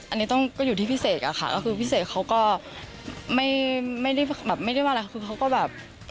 อันนี้ต้องก็อยู่ที่พิเศษอะค่ะก็คือพิเศษเขาก็ไม่ได้ว่าอะไรคือเขาก็แบบ